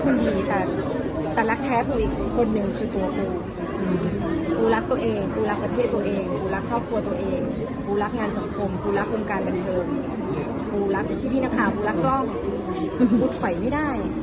กลัวตรงนี้ยังเงียบ